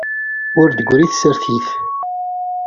Ur d-tegri tsertit.